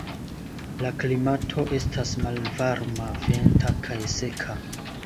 La klimato estas malvarma, venta kaj seka.